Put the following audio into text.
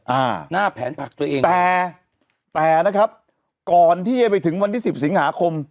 อ่าหน้าแผนผักตัวเองแต่แต่นะครับก่อนที่จะไปถึงวันที่สิบสิงหาคม